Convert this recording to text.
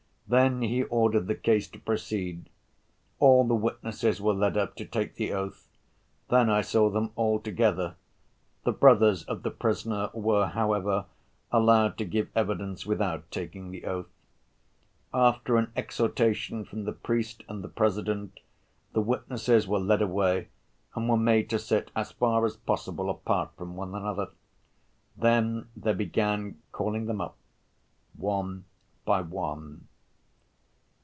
Then he ordered the case to proceed. All the witnesses were led up to take the oath. Then I saw them all together. The brothers of the prisoner were, however, allowed to give evidence without taking the oath. After an exhortation from the priest and the President, the witnesses were led away and were made to sit as far as possible apart from one another. Then they began calling them up one by one.